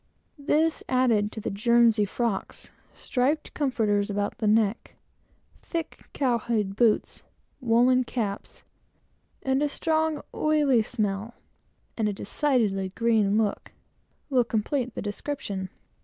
This, added to guernsey frocks, striped comforters about the neck, thick cowhide boots, woollen caps, and a strong, oily smell, and a decidedly green look, will complete the description.